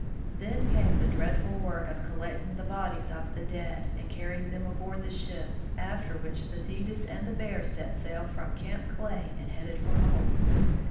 Then came the dreadful work of collecting the bodies of the dead and carrying them aboard the ships, after which the Thetis and the Bear set sail from Camp Clay and headed for home.